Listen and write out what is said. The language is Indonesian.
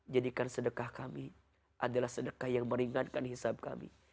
jadikan sedekah kami adalah sedekah yang meringankan hisab kami